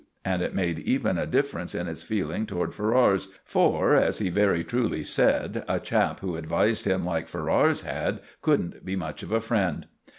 And it made even a difference in his feeling towards Ferrars, for, as he very truly said, a chap who advised him like Ferrars had couldn't be much of a friend.